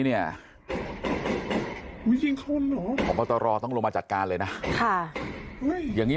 เนี่ยมายิงคนเหรอพบตรต้องลงมาจัดการเลยนะค่ะอย่างนี้